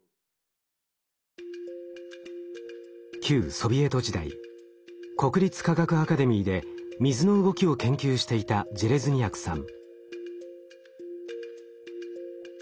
旧ソビエト時代国立科学アカデミーで水の動きを研究していたジェレズニヤクさん。